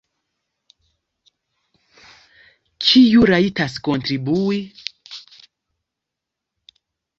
Kiu rajtas kontribui?